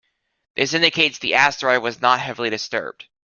This indicates the asteroid was not heavily disturbed.